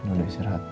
udah istirahat naik